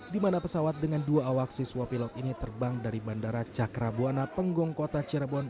di mana pesawat dengan dua awak siswa pilot ini terbang dari bandara cakrabuana penggong kota cirebon